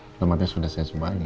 ini selamatnya sudah saya nyobain